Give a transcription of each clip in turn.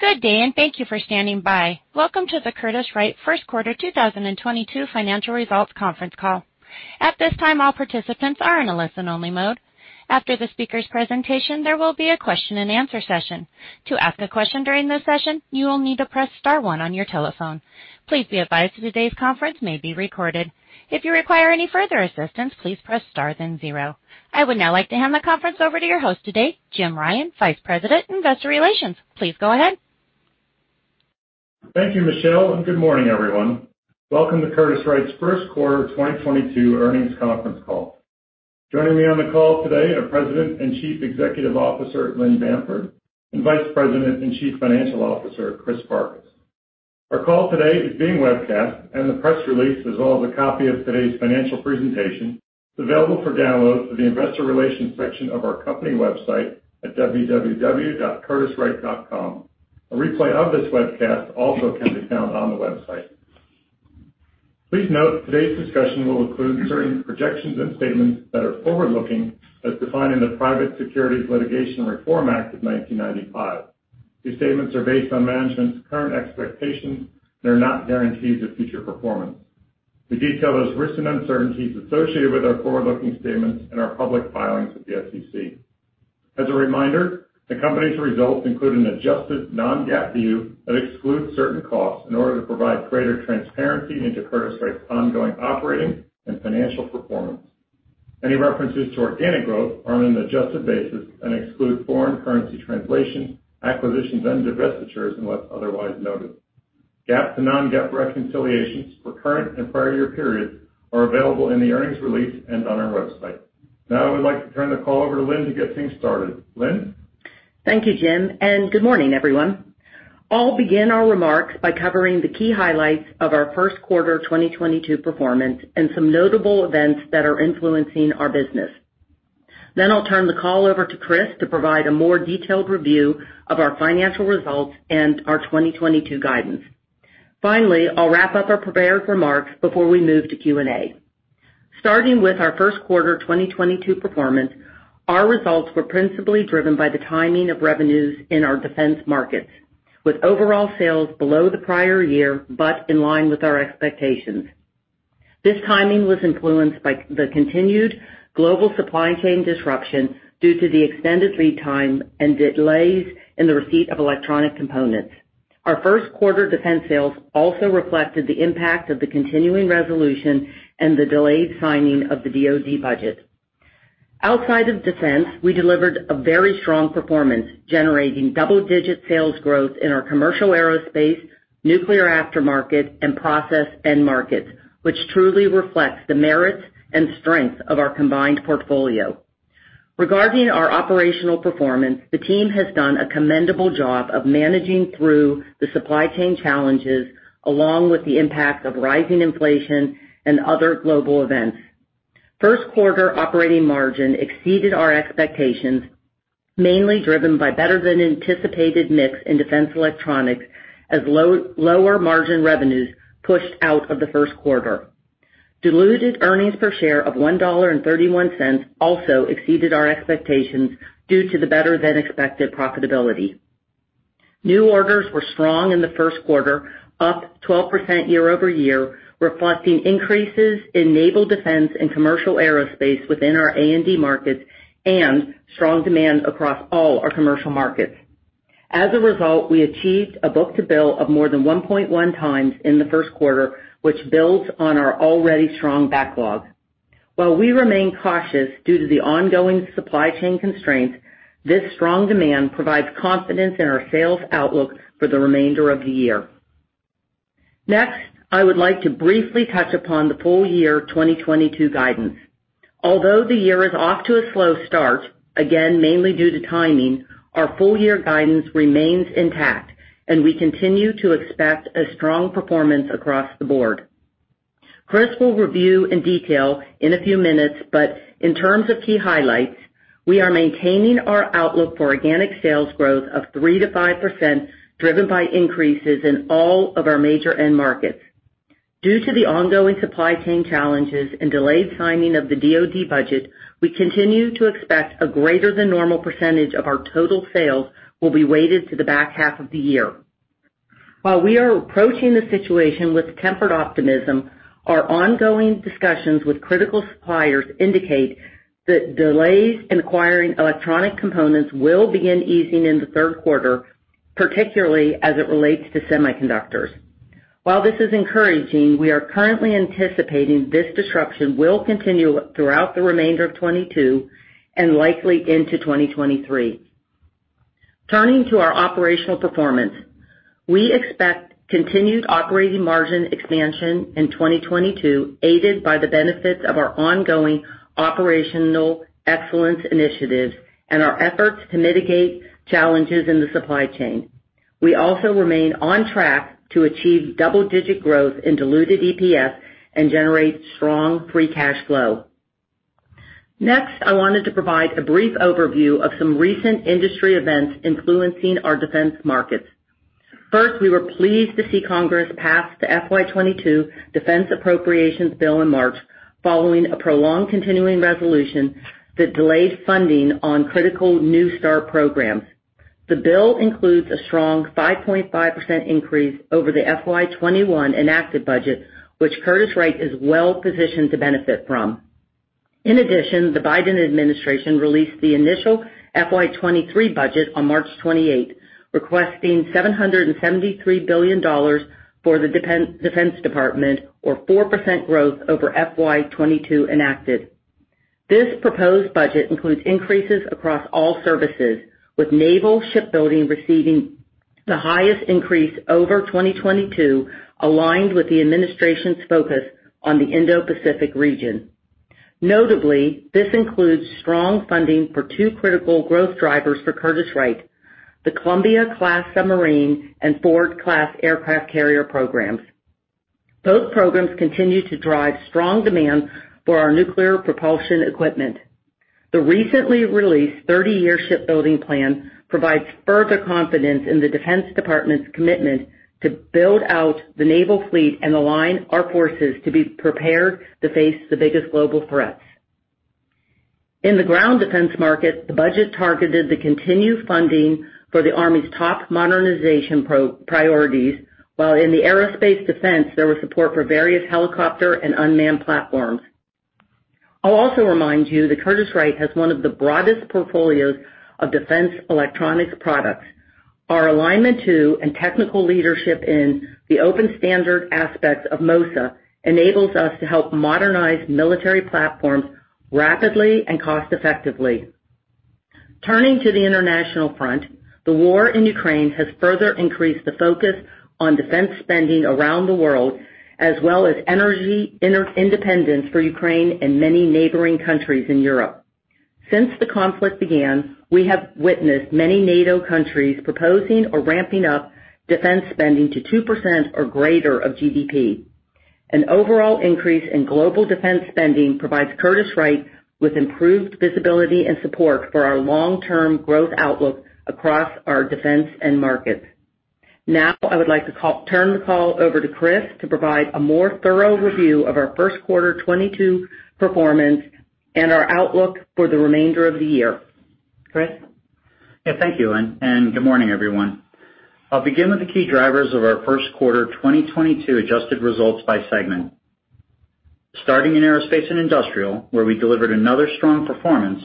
Good day, and thank you for standing by. Welcome to the Curtiss-Wright first quarter 2022 financial results conference call. At this time, all participants are in a listen-only mode. After the speaker's presentation, there will be a question-and-answer session. To ask a question during this session, you will need to press star one on your telephone. Please be advised today's conference may be recorded. If you require any further assistance, please press star then zero. I would now like to hand the conference over to your host today, Jim Ryan, Vice President, Investor Relations. Please go ahead. Thank you, Michelle, and good morning, everyone. Welcome to Curtiss-Wright's first quarter 2022 earnings conference call. Joining me on the call today are President and Chief Executive Officer, Lynn Bamford, and Vice President and Chief Financial Officer, Chris Farkas. Our call today is being webcast and the press release, as well as a copy of today's financial presentation, is available for download in the investor relations section of our company website at www.curtisswright.com. A replay of this webcast also can be found on the website. Please note today's discussion will include certain projections and statements that are forward-looking, as defined in the Private Securities Litigation Reform Act of 1995. These statements are based on management's current expectations. They're not guarantees of future performance. We detail those risks and uncertainties associated with our forward-looking statements in our public filings with the SEC. As a reminder, the company's results include an adjusted non-GAAP view that excludes certain costs in order to provide greater transparency into Curtiss-Wright's ongoing operating and financial performance. Any references to organic growth are on an adjusted basis and exclude foreign currency translation, acquisitions, and divestitures, unless otherwise noted. GAAP to non-GAAP reconciliations for current and prior year periods are available in the earnings release and on our website. Now I would like to turn the call over to Lynn to get things started. Lynn? Thank you, Jim, and good morning, everyone. I'll begin our remarks by covering the key highlights of our first quarter 2022 performance and some notable events that are influencing our business. Then I'll turn the call over to Chris to provide a more detailed review of our financial results and our 2022 guidance. Finally, I'll wrap up our prepared remarks before we move to Q&A. Starting with our first quarter 2022 performance, our results were principally driven by the timing of revenues in our defense markets, with overall sales below the prior year but in line with our expectations. This timing was influenced by the continued global supply chain disruption due to the extended lead time and delays in the receipt of electronic components. Our first quarter defense sales also reflected the impact of the continuing resolution and the delayed signing of the DoD budget. Outside of defense, we delivered a very strong performance, generating double-digit sales growth in our commercial aerospace, nuclear aftermarket, and process end markets, which truly reflects the merits and strengths of our combined portfolio. Regarding our operational performance, the team has done a commendable job of managing through the supply chain challenges, along with the impact of rising inflation and other global events. First quarter operating margin exceeded our expectations, mainly driven by better than anticipated mix in defense electronics as lower margin revenues pushed out of the first quarter. Diluted earnings per share of $1.31 also exceeded our expectations due to the better than expected profitability. New orders were strong in the first quarter, up 12% year-over-year, reflecting increases in naval defense and commercial aerospace within our A&D markets and strong demand across all our commercial markets. As a result, we achieved a book-to-bill of more than 1.1x in the first quarter, which builds on our already strong backlog. While we remain cautious due to the ongoing supply chain constraints, this strong demand provides confidence in our sales outlook for the remainder of the year. Next, I would like to briefly touch upon the full-year 2022 guidance. Although the year is off to a slow start, again, mainly due to timing, our full-year guidance remains intact, and we continue to expect a strong performance across the board. Chris will review in detail in a few minutes, but in terms of key highlights, we are maintaining our outlook for organic sales growth of 3%-5%, driven by increases in all of our major end markets. Due to the ongoing supply chain challenges and delayed signing of the DoD budget, we continue to expect a greater than normal percentage of our total sales will be weighted to the back half of the year. While we are approaching the situation with tempered optimism, our ongoing discussions with critical suppliers indicate that delays in acquiring electronic components will begin easing in the third quarter, particularly as it relates to semiconductors. While this is encouraging, we are currently anticipating this disruption will continue throughout the remainder of 2022 and likely into 2023. Turning to our operational performance, we expect continued operating margin expansion in 2022, aided by the benefits of our ongoing operational excellence initiatives and our efforts to mitigate challenges in the supply chain. We also remain on track to achieve double-digit growth in diluted EPS and generate strong free cash flow. Next, I wanted to provide a brief overview of some recent industry events influencing our defense markets. First, we were pleased to see Congress pass the FY 2022 defense appropriations bill in March following a prolonged continuing resolution that delayed funding on critical new start programs. The bill includes a strong 5.5% increase over the FY 2021 enacted budget, which Curtiss-Wright is well-positioned to benefit from. In addition, the Biden administration released the initial FY 2023 budget on March 28, requesting $773 billion for the defense department of 4% growth over FY 2022 enacted. This proposed budget includes increases across all services, with naval shipbuilding receiving the highest increase over 2022, aligned with the administration's focus on the Indo-Pacific region. Notably, this includes strong funding for two critical growth drivers for Curtiss-Wright, the Columbia-class submarine and Ford-class aircraft carrier programs. Both programs continue to drive strong demand for our nuclear propulsion equipment. The recently released 30-year shipbuilding plan provides further confidence in the Defense Department's commitment to build out the naval fleet and align our forces to be prepared to face the biggest global threats. In the ground defense market, the budget targeted the continued funding for the Army's top modernization priorities, while in the aerospace and defense, there was support for various helicopter and unmanned platforms. I'll also remind you that Curtiss-Wright has one of the broadest portfolios of defense electronics products. Our alignment to and technical leadership in the open standard aspects of MOSA enables us to help modernize military platforms rapidly and cost-effectively. Turning to the international front, the war in Ukraine has further increased the focus on defense spending around the world, as well as energy interdependence for Ukraine and many neighboring countries in Europe. Since the conflict began, we have witnessed many NATO countries proposing or ramping up defense spending to 2% or greater of GDP. An overall increase in global defense spending provides Curtiss-Wright with improved visibility and support for our long-term growth outlook across our defense end markets. Now, I would like to turn the call over to Chris to provide a more thorough review of our first quarter 2022 performance and our outlook for the remainder of the year. Chris? Yeah, thank you, Lynn, and good morning, everyone. I'll begin with the key drivers of our first quarter 2022 adjusted results by segment. Starting in aerospace and industrial, where we delivered another strong performance,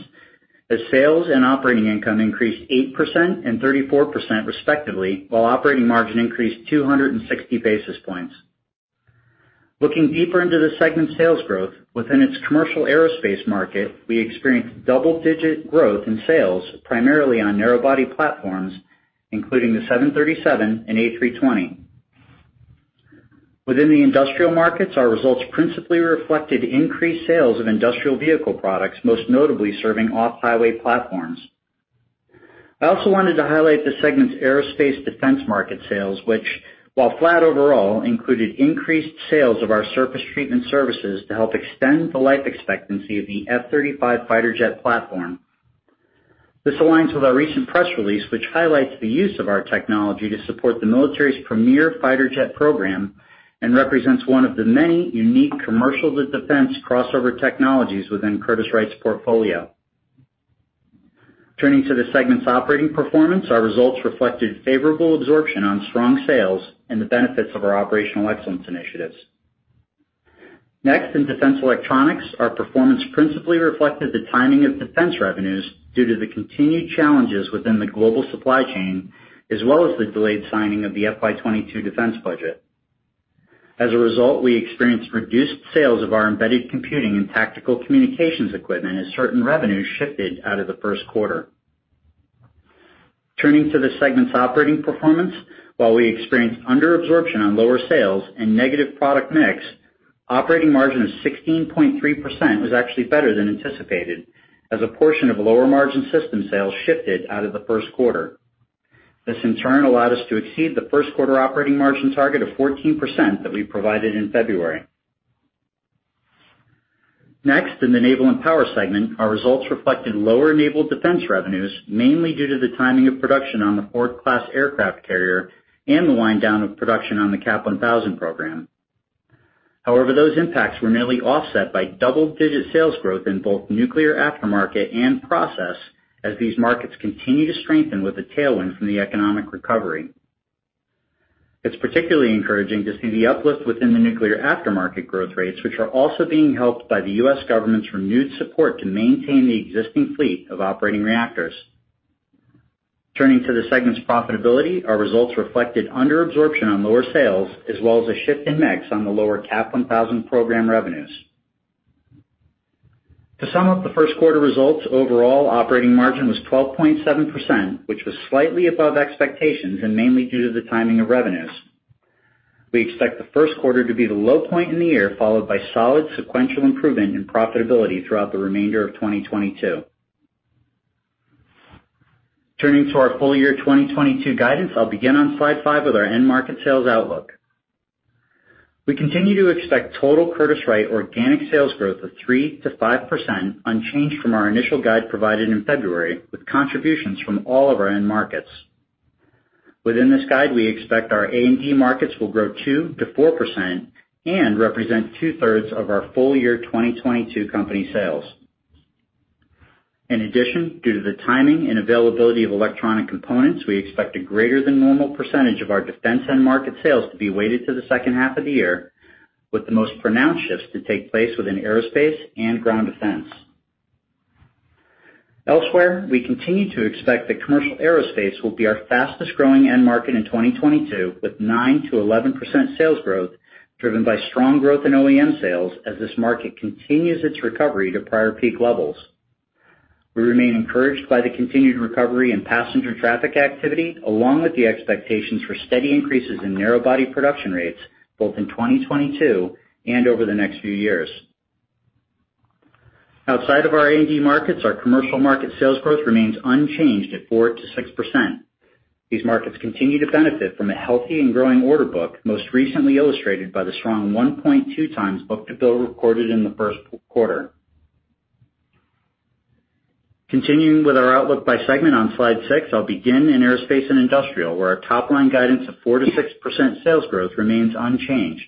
as sales and operating income increased 8% and 34% respectively, while operating margin increased 260 basis points. Looking deeper into the segment's sales growth, within its commercial aerospace market, we experienced double-digit growth in sales primarily on narrow body platforms, including the 737 and A320. Within the industrial markets, our results principally reflected increased sales of industrial vehicle products, most notably serving off-highway platforms. I also wanted to highlight the segment's aerospace defense market sales, which, while flat overall, included increased sales of our surface treatment services to help extend the life expectancy of the F-35 fighter jet platform. This aligns with our recent press release, which highlights the use of our technology to support the military's premier fighter jet program and represents one of the many unique commercial-to-defense crossover technologies within Curtiss-Wright's portfolio. Turning to the segment's operating performance, our results reflected favorable absorption on strong sales and the benefits of our operational excellence initiatives. Next, in defense electronics, our performance principally reflected the timing of defense revenues due to the continued challenges within the global supply chain, as well as the delayed signing of the FY 2022 defense budget. As a result, we experienced reduced sales of our embedded computing and tactical communications equipment as certain revenues shifted out of the first quarter. Turning to the segment's operating performance. While we experienced under absorption on lower sales and negative product mix, operating margin of 16.3% was actually better than anticipated as a portion of lower margin system sales shifted out of the first quarter. This, in turn, allowed us to exceed the first quarter operating margin target of 14% that we provided in February. Next, in the naval and power segment, our results reflected lower naval defense revenues, mainly due to the timing of production on the Ford-class aircraft carrier and the wind down of production on the AP1000 program. However, those impacts were nearly offset by double-digit sales growth in both nuclear aftermarket and process as these markets continue to strengthen with the tailwind from the economic recovery. It's particularly encouraging to see the uplift within the nuclear aftermarket growth rates, which are also being helped by the U.S. government's renewed support to maintain the existing fleet of operating reactors. Turning to the segment's profitability, our results reflected under absorption on lower sales as well as a shift in mix on the lower AP1000 program revenues. To sum up the first quarter results, overall operating margin was 12.7%, which was slightly above expectations and mainly due to the timing of revenues. We expect the first quarter to be the low point in the year, followed by solid sequential improvement in profitability throughout the remainder of 2022. Turning to our full year 2022 guidance, I'll begin on slide five with our end market sales outlook. We continue to expect total Curtiss-Wright organic sales growth of 3%-5% unchanged from our initial guide provided in February, with contributions from all of our end markets. Within this guide, we expect our A&D markets will grow 2%-4% and represent two-thirds of our full-year 2022 company sales. In addition, due to the timing and availability of electronic components, we expect a greater than normal percentage of our defense end-market sales to be weighted to the second half of the year, with the most pronounced shifts to take place within aerospace and ground defense. Elsewhere, we continue to expect that commercial aerospace will be our fastest-growing end market in 2022, with 9%-11% sales growth driven by strong growth in OEM sales as this market continues its recovery to prior peak levels. We remain encouraged by the continued recovery in passenger traffic activity, along with the expectations for steady increases in narrow body production rates both in 2022 and over the next few years. Outside of our A&D markets, our commercial market sales growth remains unchanged at 4%-6%. These markets continue to benefit from a healthy and growing order book, most recently illustrated by the strong 1.2x book-to-bill recorded in the first quarter. Continuing with our outlook by segment on slide six, I'll begin in aerospace and industrial, where our top-line guidance of 4%-6% sales growth remains unchanged.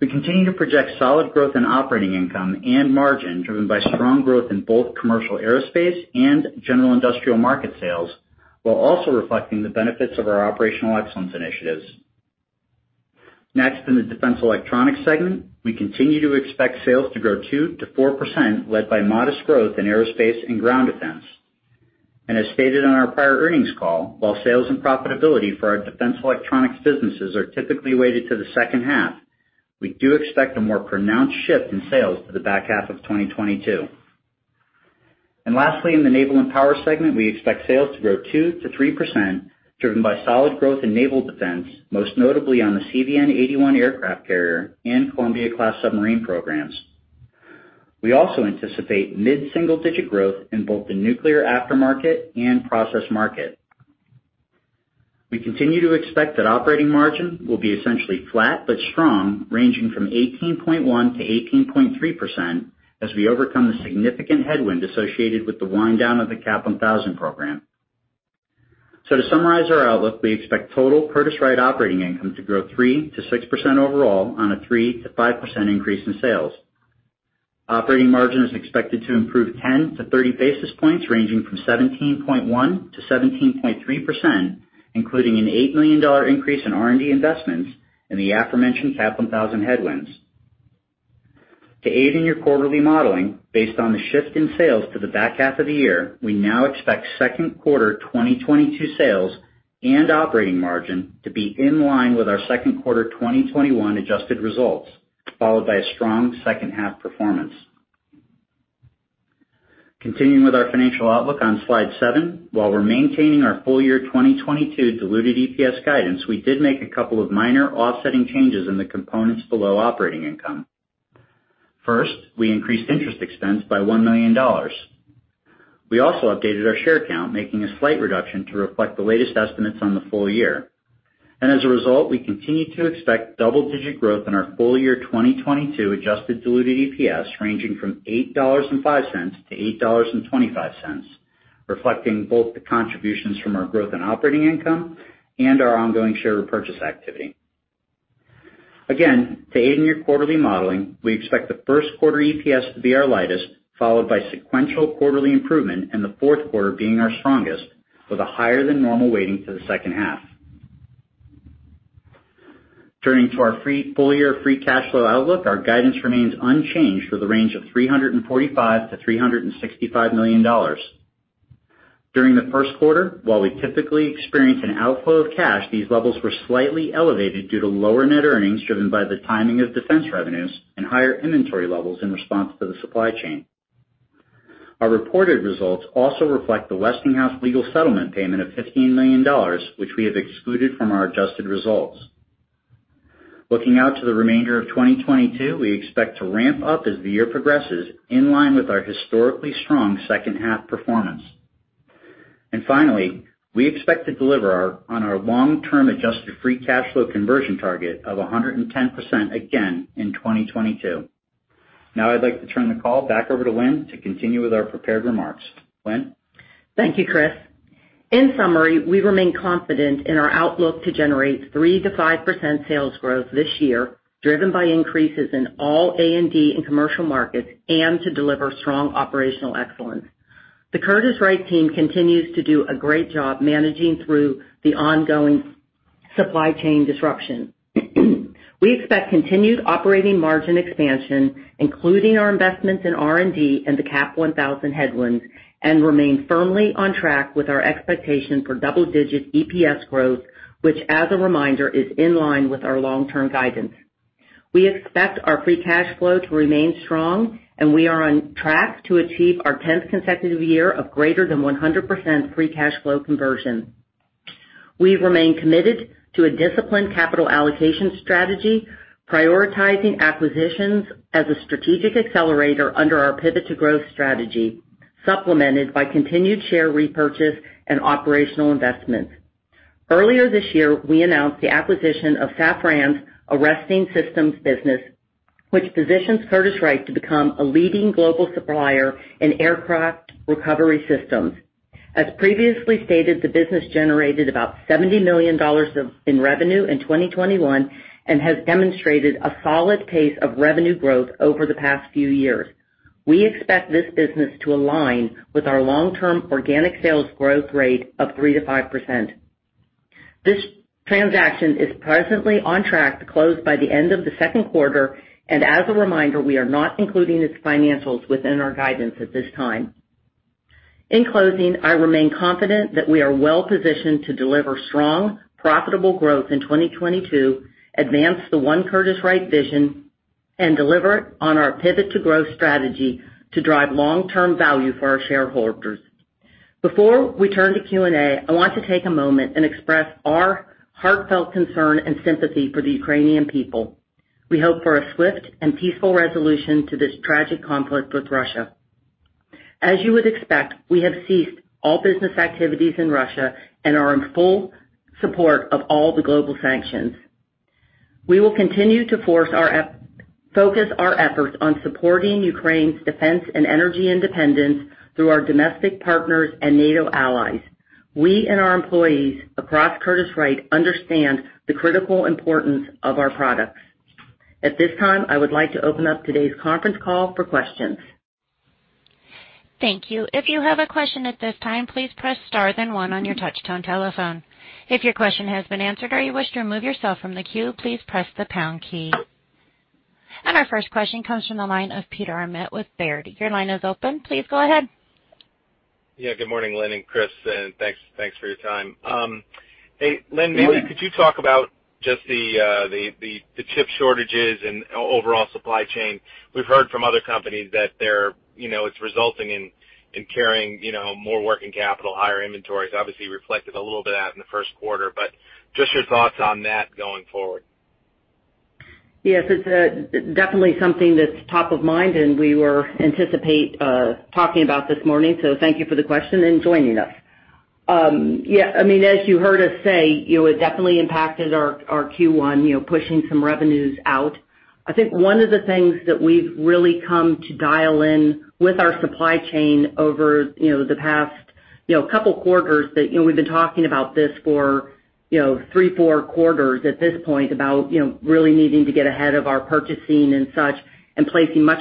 We continue to project solid growth in operating income and margin driven by strong growth in both commercial aerospace and general industrial market sales, while also reflecting the benefits of our operational excellence initiatives. Next, in the defense electronics segment, we continue to expect sales to grow 2%-4% led by modest growth in aerospace and ground defense. As stated on our prior earnings call, while sales and profitability for our defense electronics businesses are typically weighted to the second half, we do expect a more pronounced shift in sales to the back half of 2022. Lastly, in the naval and power segment, we expect sales to grow 2%-3% driven by solid growth in naval defense, most notably on the CVN-81 aircraft carrier and Columbia-class submarine programs. We also anticipate mid-single-digit growth in both the nuclear aftermarket and process market. We continue to expect that operating margin will be essentially flat but strong, ranging from 18.1%-18.3% as we overcome the significant headwind associated with the wind down of the AP1000 program. To summarize our outlook, we expect total Curtiss-Wright operating income to grow 3%-6% overall on a 3%-5% increase in sales. Operating margin is expected to improve 10-30 basis points, ranging from 17.1%-17.3%, including a $8 million increase in R&D investments in the aforementioned AP1000 headwinds. To aid in your quarterly modeling based on the shift in sales to the back half of the year, we now expect second quarter 2022 sales and operating margin to be in line with our second quarter 2021 adjusted results, followed by a strong second half performance. Continuing with our financial outlook on slide seven. While we're maintaining our full-year 2022 diluted EPS guidance, we did make a couple of minor offsetting changes in the components below operating income. First, we increased interest expense by $1 million. We also updated our share count, making a slight reduction to reflect the latest estimates on the full year. As a result, we continue to expect double-digit growth in our full-year 2022 adjusted diluted EPS, ranging from $8.05 to $8.25, reflecting both the contributions from our growth in operating income and our ongoing share repurchase activity. Again, to aid in your quarterly modeling, we expect the first quarter EPS to be our lightest, followed by sequential quarterly improvement in the fourth quarter being our strongest with a higher than normal weighting to the second half. Turning to our full-year free cash flow outlook. Our guidance remains unchanged with a range of $345 million-$365 million. During the first quarter, while we typically experience an outflow of cash, these levels were slightly elevated due to lower net earnings driven by the timing of defense revenues and higher inventory levels in response to the supply chain. Our reported results also reflect the Westinghouse legal settlement payment of $15 million, which we have excluded from our adjusted results. Looking out to the remainder of 2022, we expect to ramp up as the year progresses, in line with our historically strong second half performance. Finally, we expect to deliver on our long-term adjusted free cash flow conversion target of 110% again in 2022. Now I'd like to turn the call back over to Lynn to continue with our prepared remarks. Lynn? Thank you, Chris. In summary, we remain confident in our outlook to generate 3%-5% sales growth this year, driven by increases in all A&D and commercial markets, and to deliver strong operational excellence. The Curtiss-Wright team continues to do a great job managing through the ongoing supply chain disruption. We expect continued operating margin expansion, including our investments in R&D and the AP1000 headwinds, and remain firmly on track with our expectation for double-digit EPS growth, which as a reminder, is in line with our long-term guidance. We expect our free cash flow to remain strong, and we are on track to achieve our 10th consecutive year of greater than 100% free cash flow conversion. We remain committed to a disciplined capital allocation strategy, prioritizing acquisitions as a strategic accelerator under our Pivot to Growth strategy. Supplemented by continued share repurchase and operational investments. Earlier this year, we announced the acquisition of Safran's Arresting Systems business, which positions Curtiss-Wright to become a leading global supplier in aircraft recovery systems. As previously stated, the business generated about $70 million in revenue in 2021, and has demonstrated a solid pace of revenue growth over the past few years. We expect this business to align with our long-term organic sales growth rate of 3%-5%. This transaction is presently on track to close by the end of the second quarter. As a reminder, we are not including its financials within our guidance at this time. In closing, I remain confident that we are well-positioned to deliver strong, profitable growth in 2022, advance the One Curtiss-Wright vision, and deliver on our Pivot to Growth strategy to drive long-term value for our shareholders. Before we turn to Q&A, I want to take a moment and express our heartfelt concern and sympathy for the Ukrainian people. We hope for a swift and peaceful resolution to this tragic conflict with Russia. As you would expect, we have ceased all business activities in Russia and are in full support of all the global sanctions. We will continue to focus our efforts on supporting Ukraine's defense and energy independence through our domestic partners and NATO allies. We and our employees across Curtiss-Wright understand the critical importance of our products. At this time, I would like to open up today's conference call for questions. Thank you. If you have a question at this time, please press star then one on your touchtone telephone. If your question has been answered or you wish to remove yourself from the queue, please press the pound key. Our first question comes from the line of Peter Arment with Baird. Your line is open. Please go ahead. Yeah, good morning, Lynn and Chris, and thanks for your time. Hey, Lynn. Good morning. Maybe could you talk about just the chip shortages and overall supply chain. We've heard from other companies that they're, you know, it's resulting in carrying, you know, more working capital, higher inventories. Obviously, you reflected a little bit of that in the first quarter, but just your thoughts on that going forward. Yes, it's definitely something that's top of mind, and we were anticipating talking about this morning, so thank you for the question and joining us. Yeah, I mean, as you heard us say, you know, it definitely impacted our Q1, you know, pushing some revenues out. I think one of the things that we've really come to dial in with our supply chain over, you know, the past, you know, couple quarters that, you know, we've been talking about this for, you know, three, four quarters at this point about, you know, really needing to get ahead of our purchasing and such and placing much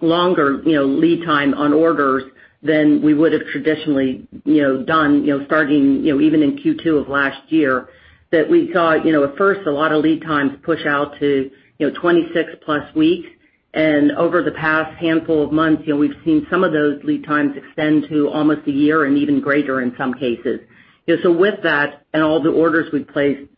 longer, you know, lead time on orders than we would have traditionally, you know, done, you know, starting, you know, even in Q2 of last year, that we saw, you know, at first a lot of lead times push out to, you know, 26+ weeks. Over the past handful of months, you know, we've seen some of those lead times extend to almost a year and even greater in some cases. You know, with that and all the orders we've placed,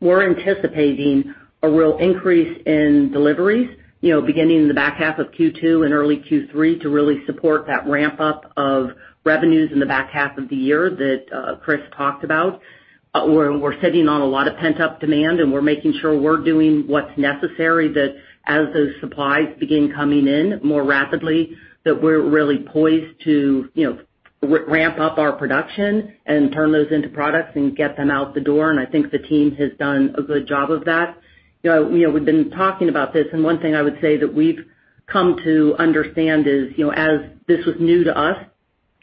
we're anticipating a real increase in deliveries, you know, beginning in the back half of Q2 and early Q3 to really support that ramp up of revenues in the back half of the year that Chris talked about. We're sitting on a lot of pent-up demand, and we're making sure we're doing what's necessary that as those supplies begin coming in more rapidly, that we're really poised to, you know, ramp up our production and turn those into products and get them out the door. I think the team has done a good job of that. You know, we've been talking about this, and one thing I would say that we've come to understand is, you know, as this was new to us,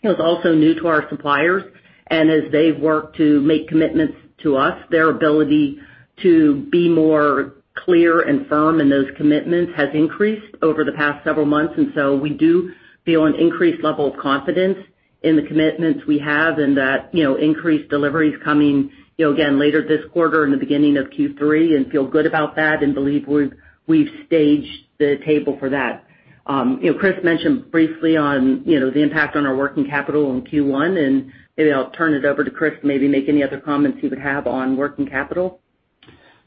it was also new to our suppliers. As they've worked to make commitments to us, their ability to be more clear and firm in those commitments has increased over the past several months. We do feel an increased level of confidence in the commitments we have and that, you know, increased deliveries coming, you know, again, later this quarter and the beginning of Q3 and feel good about that and believe we've staged the table for that. You know, Chris mentioned briefly on, you know, the impact on our working capital in Q1, and maybe I'll turn it over to Chris to maybe make any other comments he would have on working capital.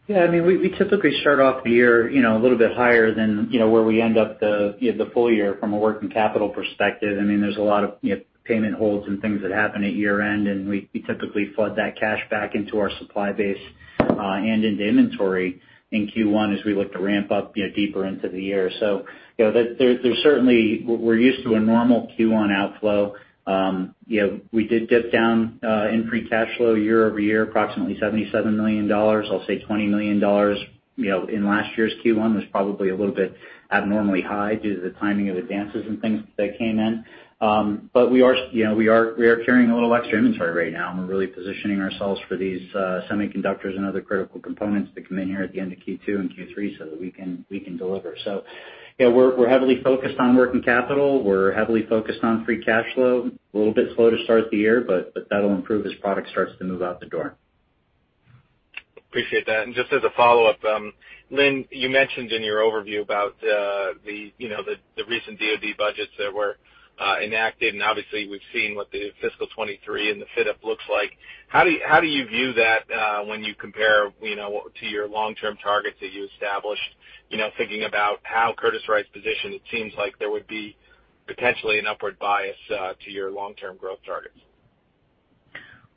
Yeah, I mean, we typically start off the year, you know, a little bit higher than, you know, where we end up the, you know, the full year from a working capital perspective. I mean, there's a lot of, you know, payment holds and things that happen at year-end, and we typically flood that cash back into our supply base, and into inventory in Q1 as we look to ramp up, you know, deeper into the year. You know, we're used to a normal Q1 outflow. You know, we did dip down in free cash flow year-over-year, approximately $77 million. I'll say $20 million, you know, in last year's Q1 was probably a little bit abnormally high due to the timing of advances and things that came in. We are, you know, carrying a little extra inventory right now, and we're really positioning ourselves for these semiconductors and other critical components that come in here at the end of Q2 and Q3 so that we can deliver. You know, we're heavily focused on working capital. We're heavily focused on free cash flow. A little bit slow to start the year, but that'll improve as product starts to move out the door. Appreciate that. Just as a follow-up, Lynn, you mentioned in your overview about the recent DoD budgets that were enacted, and obviously, we've seen what the fiscal 2023 and the FY24 looks like. How do you view that when you compare to your long-term targets that you established? You know, thinking about how Curtiss-Wright's positioned, it seems like there would be potentially an upward bias to your long-term growth targets.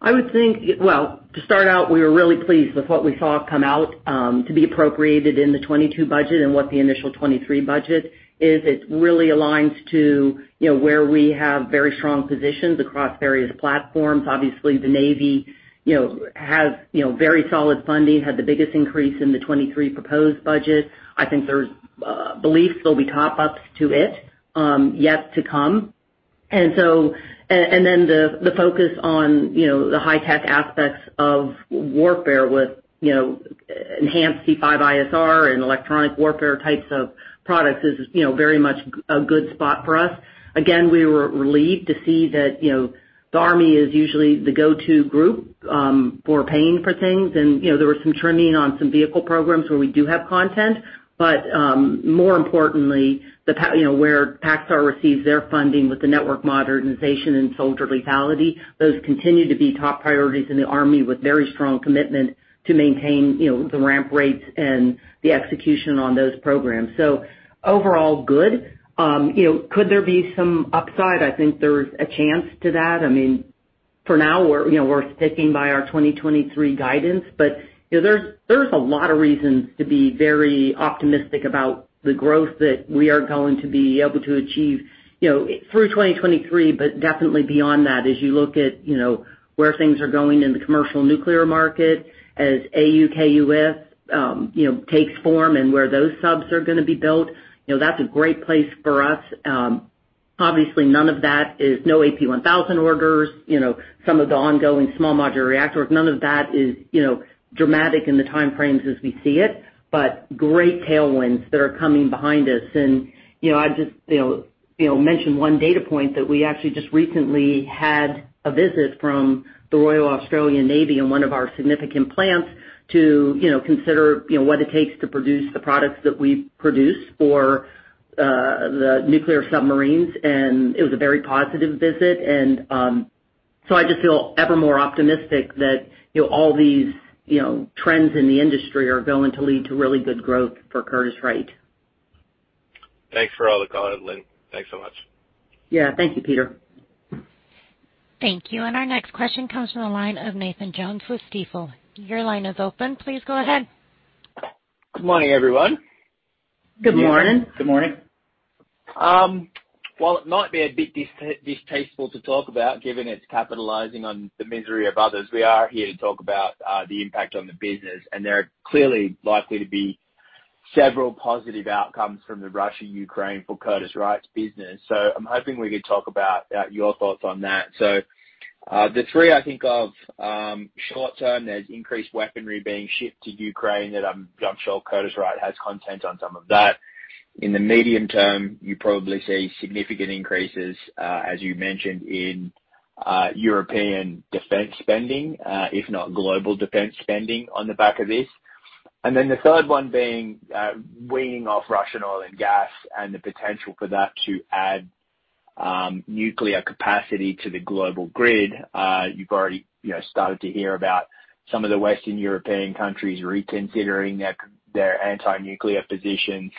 Well, to start out, we were really pleased with what we saw come out to be appropriated in the 2022 budget and what the initial 2023 budget is. It really aligns to, you know, where we have very strong positions across various platforms. Obviously, the Navy, you know, has very solid funding, had the biggest increase in the 2023 proposed budget. I think there's belief there'll be top ups to it, yet to come. Then the focus on, you know, the high-tech aspects of warfare with, you know, enhanced C5ISR and electronic warfare types of products is, you know, very much a good spot for us. Again, we were relieved to see that, you know, the Army is usually the go-to group for paying for things. You know, there was some trimming on some vehicle programs where we do have content. More importantly, you know, where PacStar receives their funding with the network modernization and soldier lethality, those continue to be top priorities in the Army with very strong commitment to maintain, you know, the ramp rates and the execution on those programs. Overall, good. You know, could there be some upside? I think there's a chance to that. I mean, for now, we're, you know, sticking by our 2023 guidance. You know, there's a lot of reasons to be very optimistic about the growth that we are going to be able to achieve, you know, through 2023, but definitely beyond that, as you look at, you know, where things are going in the commercial nuclear market, as AUKUS, you know, takes form and where those subs are gonna be built, you know, that's a great place for us. Obviously none of that is no AP1000 orders, you know, some of the ongoing small modular reactors. None of that is, you know, dramatic in the time frames as we see it, but great tailwinds that are coming behind us. You know, I just you know mention one data point that we actually just recently had a visit from the Royal Australian Navy in one of our significant plants to you know consider you know what it takes to produce the products that we produce for the nuclear submarines, and it was a very positive visit. I just feel ever more optimistic that you know all these you know trends in the industry are going to lead to really good growth for Curtiss-Wright. Thanks for all the guidance, Lynn. Thanks so much. Yeah. Thank you, Peter. Thank you. Our next question comes from the line of Nathan Jones with Stifel. Your line is open. Please go ahead. Good morning, everyone. Good morning. Good morning. While it might be a bit distasteful to talk about, given it's capitalizing on the misery of others, we are here to talk about the impact on the business, and there are clearly likely to be several positive outcomes from the Russia-Ukraine for Curtiss-Wright's business. I'm hoping we could talk about your thoughts on that. The three I think of, short term, there's increased weaponry being shipped to Ukraine that I'm sure Curtiss-Wright has content on some of that. In the medium term, you probably see significant increases, as you mentioned in European defense spending, if not global defense spending on the back of this. The third one being weaning off Russian oil and gas and the potential for that to add nuclear capacity to the global grid. You've already, you know, started to hear about some of the Western European countries reconsidering their anti-nuclear positions.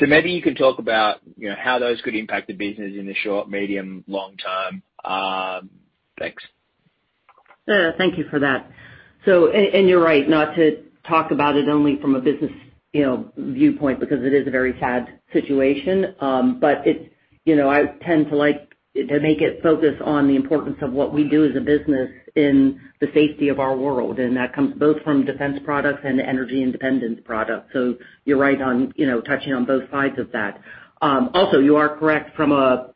Maybe you can talk about, you know, how those could impact the business in the short, medium, long term. Thanks. Thank you for that. You're right, not to talk about it only from a business, you know, viewpoint because it is a very sad situation. It's, you know, I tend to like to make it focus on the importance of what we do as a business in the safety of our world, and that comes both from defense products and energy independence products. You're right on, you know, touching on both sides of that. Also, you are correct from a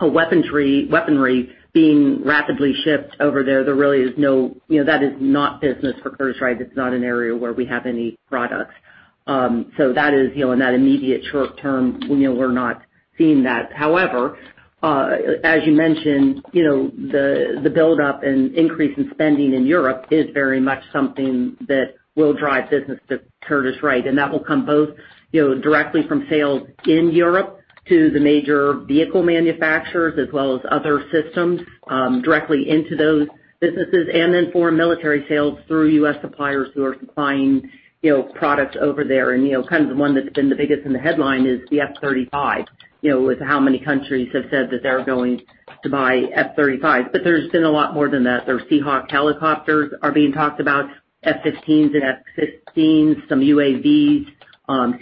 weaponry being rapidly shipped over there. There really is no, you know, that is not business for Curtiss-Wright. It's not an area where we have any products. That is, you know, in that immediate short term, you know, we're not seeing that. However, as you mentioned, you know, the buildup and increase in spending in Europe is very much something that will drive business to Curtiss-Wright, and that will come both, you know, directly from sales in Europe to the major vehicle manufacturers as well as other systems directly into those businesses, and then foreign military sales through U.S. suppliers who are supplying, you know, products over there. You know, kind of the one that's been the biggest in the headline is the F-35. With how many countries have said that they're going to buy F-35. There's been a lot more than that. There's Seahawk helicopters are being talked about, F-15s and F-16s, some UAVs,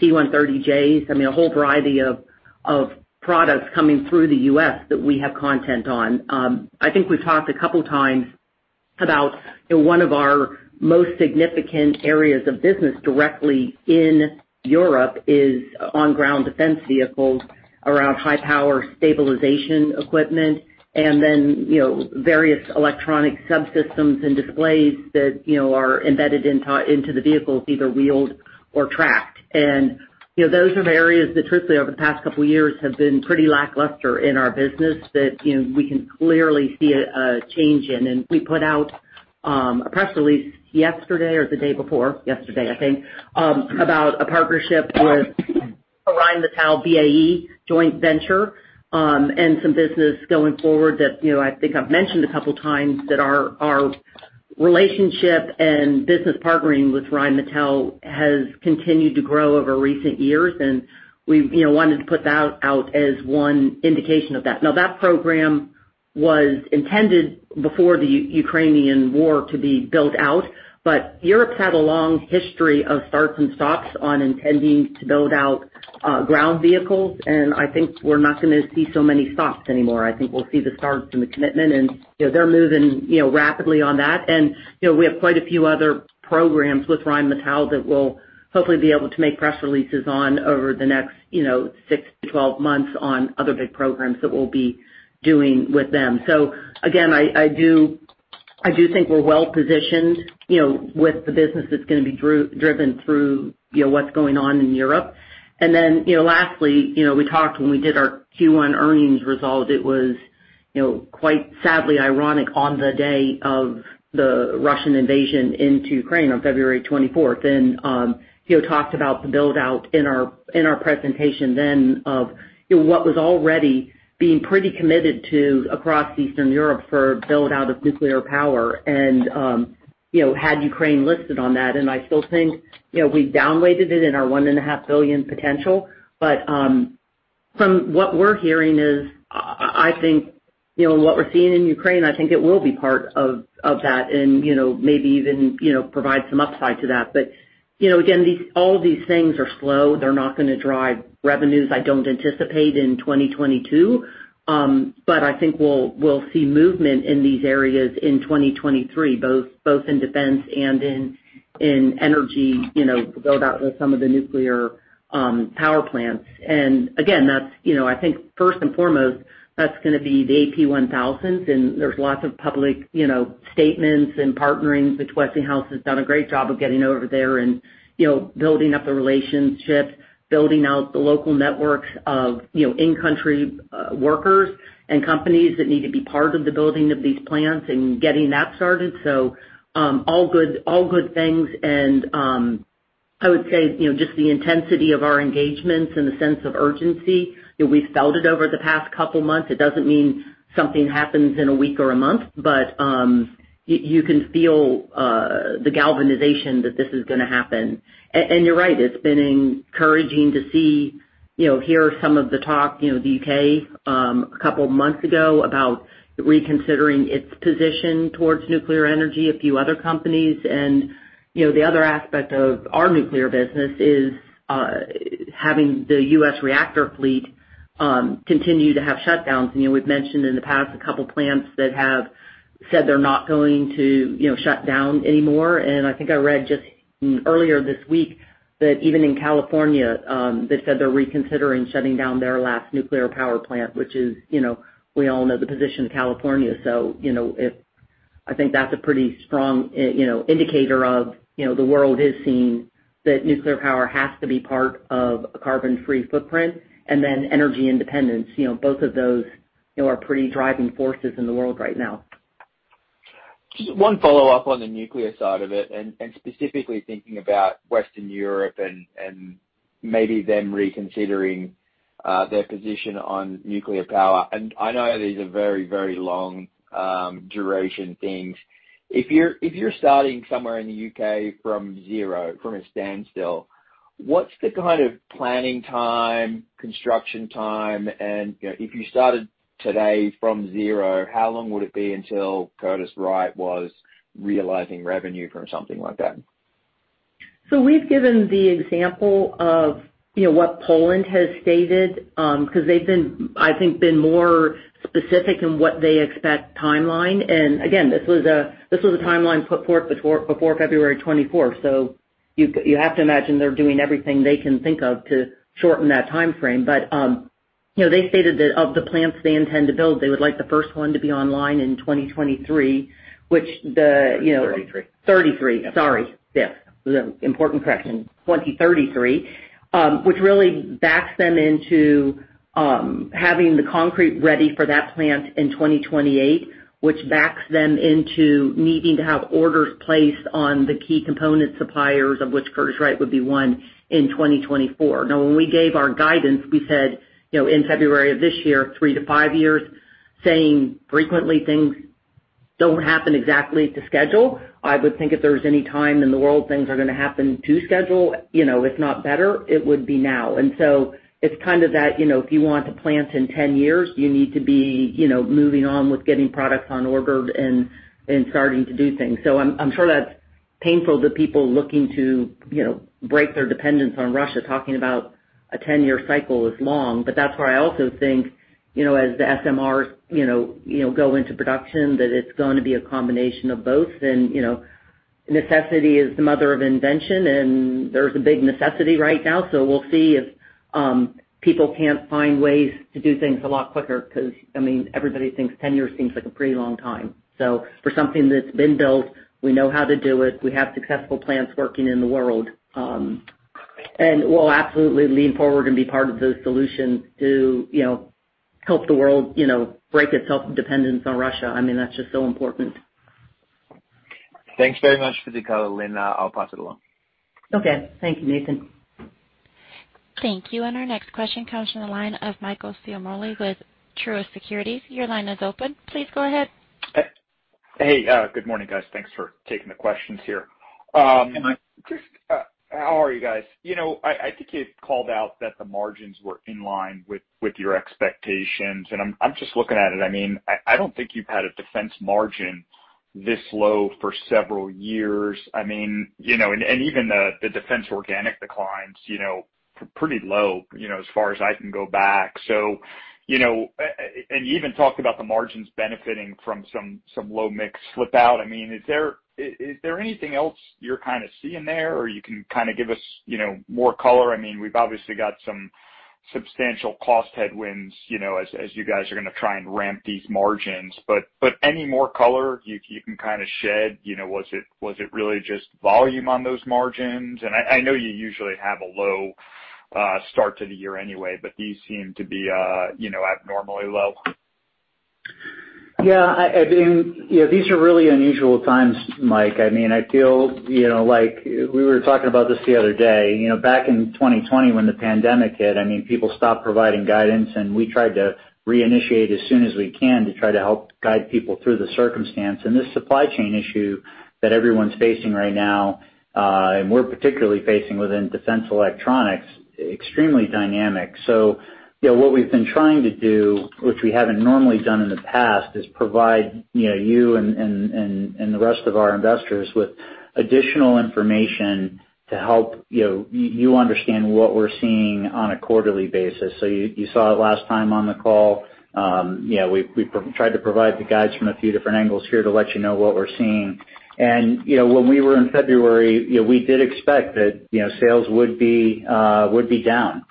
C-130Js. I mean, a whole variety of products coming through the U.S. that we have content on. I think we've talked a couple times about one of our most significant areas of business directly in Europe is on ground defense vehicles around high power stabilization equipment and then, you know, various electronic subsystems and displays that, you know, are embedded into the vehicles, either wheeled or tracked. You know, those are areas that truthfully, over the past couple of years have been pretty lackluster in our business that, you know, we can clearly see a change in. We put out a press release yesterday or the day before about a partnership with Rheinmetall BAE Systems Land joint venture and some business going forward that, you know, I think I've mentioned a couple of times that our relationship and business partnering with Rheinmetall has continued to grow over recent years, and we, you know, wanted to put that out as one indication of that. Now, that program was intended before the Ukrainian war to be built out, but Europe's had a long history of starts and stops on intending to build out ground vehicles. I think we're not gonna see so many stops anymore. I think we'll see the starts and the commitment and, you know, they're moving, you know, rapidly on that. You know, we have quite a few other programs with Rheinmetall that we'll hopefully be able to make press releases on over the next, you know, six to 12 months on other big programs that we'll be doing with them. Again, I do think we're well-positioned, you know, with the business that's gonna be driven through, you know, what's going on in Europe. Then, you know, lastly, you know, we talked when we did our Q1 earnings release. It was, you know, quite sadly ironic on the day of the Russian invasion into Ukraine on February 24th. You know, talked about the build-out in our presentation then of, you know, what was already being pretty committed to across Eastern Europe for build-out of nuclear power and, you know, had Ukraine listed on that. I still think, you know, we've downweighted it in our $1.5 billion potential. From what we're hearing is I think, you know, what we're seeing in Ukraine, I think it will be part of that and, you know, maybe even provide some upside to that. You know, again, these things are slow. They're not gonna drive revenues I don't anticipate in 2022. I think we'll see movement in these areas in 2023, both in defense and in energy, you know, to build out some of the nuclear power plants. Again, that's, you know, I think first and foremost, that's gonna be the AP1000s, and there's lots of public, you know, statements and partnering, which Westinghouse has done a great job of getting over there and, you know, building up the relationships, building out the local networks of, you know, in-country workers and companies that need to be part of the building of these plants and getting that started. All good, all good things. I would say, you know, just the intensity of our engagements and the sense of urgency, you know, we felt it over the past couple months. It doesn't mean something happens in a week or a month, but you can feel the galvanization that this is gonna happen. You're right, it's been encouraging to see, you know, hear some of the talk, you know, the U.K., a couple months ago about reconsidering its position towards nuclear energy, a few other companies. You know, the other aspect of our nuclear business is having the U.S. reactor fleet continue to have shutdowns. You know, we've mentioned in the past a couple plants that have said they're not going to, you know, shut down anymore. I think I read just earlier this week that even in California, they said they're reconsidering shutting down their last nuclear power plant, which is, you know, we all know the position of California. You know, if I think that's a pretty strong, you know, indicator of, you know, the world is seeing that nuclear power has to be part of a carbon-free footprint and then energy independence. You know, both of those, you know, are pretty driving forces in the world right now. Just one follow-up on the nuclear side of it, specifically thinking about Western Europe and maybe them reconsidering their position on nuclear power. I know these are very, very long duration things. If you're starting somewhere in the UK from zero, from a standstill, what's the kind of planning time, construction time? You know, if you started today from zero, how long would it be until Curtiss-Wright was realizing revenue from something like that? We've given the example of, you know, what Poland has stated, because they've been, I think, been more specific in what they expect timeline. Again, this was a timeline put forth before February 24. You have to imagine they're doing everything they can think of to shorten that timeframe. You know, they stated that of the plants they intend to build, they would like the first one to be online in 2023, which the, you know. 33. 33, sorry. Yes. Important correction. 2033. Which really backs them into having the concrete ready for that plant in 2028, which backs them into needing to have orders placed on the key component suppliers, of which Curtiss-Wright would be one, in 2024. Now, when we gave our guidance, we said, you know, in February of this year, three to five years, saying frequently things don't happen exactly to schedule. I would think if there's any time in the world things are gonna happen to schedule, you know, if not better, it would be now. It's kind of that, you know, if you want to plant in 10 years, you need to be, you know, moving on with getting products on order and starting to do things. I'm sure that's painful to people looking to, you know, break their dependence on Russia. Talking about a 10-year cycle is long. That's where I also think, you know, as the SMRs go into production, that it's going to be a combination of both. You know, necessity is the mother of invention, and there's a big necessity right now. We'll see if people can't find ways to do things a lot quicker because, I mean, everybody thinks 10 years seems like a pretty long time. For something that's been built, we know how to do it, we have successful plants working in the world, and we'll absolutely lean forward and be part of the solution to, you know, help the world break its heavy dependence on Russia. I mean, that's just so important. Thanks very much for the color, Lynn. I'll pass it along. Okay. Thank you, Nathan. Thank you. Our next question comes from the line of Michael Ciarmoli with Truist Securities. Your line is open. Please go ahead. Hey, good morning, guys. Thanks for taking the questions here. Just, how are you guys? You know, I think you called out that the margins were in line with your expectations. I'm just looking at it. I mean, I don't think you've had a defense margin this low for several years. I mean, you know, and even the defense organic declines, you know, pretty low, you know, as far as I can go back. You know, and you even talked about the margins benefiting from some low mix slip out. I mean, is there anything else you're kind of seeing there or you can kind of give us, you know, more color? I mean, we've obviously got some substantial cost headwinds, you know, as you guys are gonna try and ramp these margins. But any more color you can kind of shed, you know, was it really just volume on those margins? I know you usually have a low start to the year anyway, but these seem to be, you know, abnormally low. Yeah, I mean, you know, these are really unusual times, Mike. I mean, I feel, you know, like we were talking about this the other day. You know, back in 2020 when the pandemic hit, I mean, people stopped providing guidance, and we tried to reinitiate as soon as we can to try to help guide people through the circumstance. This supply chain issue that everyone's facing right now, and we're particularly facing within defense electronics, extremely dynamic. So, you know, what we've been trying to do, which we haven't normally done in the past, is provide, you know, you and the rest of our investors with additional information to help, you know, you understand what we're seeing on a quarterly basis. So you saw it last time on the call. You know, we tried to provide the guides from a few different angles here to let you know what we're seeing. You know, when we were in February, you know, we did expect that, you know, sales would be down.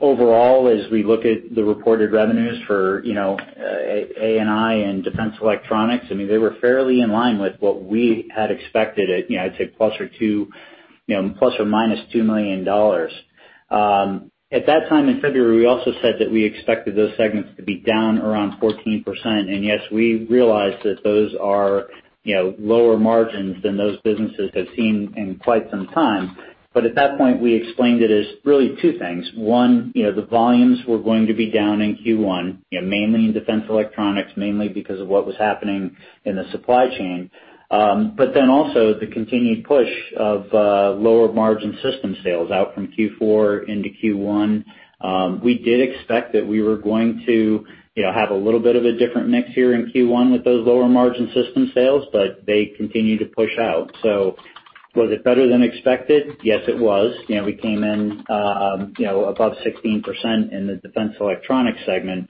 Overall, as we look at the reported revenues for, you know, A&I and defense electronics, I mean, they were fairly in line with what we had expected at, you know, I'd say plus or minus $2 million. At that time in February, we also said that we expected those segments to be down around 14%. Yes, we realized that those are, you know, lower margins than those businesses have seen in quite some time. But at that point, we explained it as really two things. One, you know, the volumes were going to be down in Q1, you know, mainly in defense electronics, mainly because of what was happening in the supply chain. Also the continued push of lower margin system sales out from Q4 into Q1. We did expect that we were going to, you know, have a little bit of a different mix here in Q1 with those lower margin system sales, but they continued to push out. Was it better than expected? Yes, it was. You know, we came in, you know, above 16% in the defense electronics segment.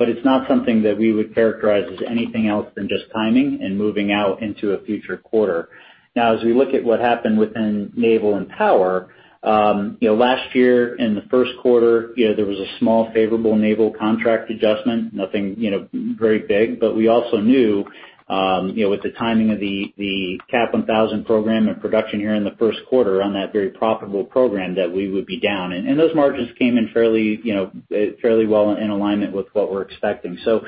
It's not something that we would characterize as anything else than just timing and moving out into a future quarter. Now as we look at what happened within naval and power, you know, last year in the first quarter, you know, there was a small favorable naval contract adjustment, nothing, you know, very big. But we also knew, you know, with the timing of the AP1000 program and production here in the first quarter on that very profitable program that we would be down. And those margins came in fairly, you know, fairly well in alignment with what we're expecting. So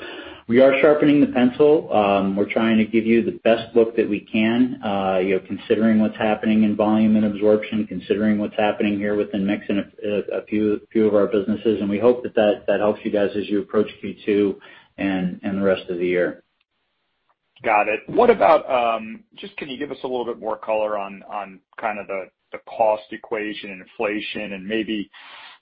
we are sharpening the pencil. We're trying to give you the best look that we can, you know, considering what's happening in volume and absorption, considering what's happening here within mix in a few of our businesses, and we hope that that helps you guys as you approach Q2 and the rest of the year. Got it. What about just can you give us a little bit more color on kind of the cost equation and inflation and maybe,